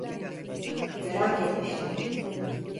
Merak etmiştim.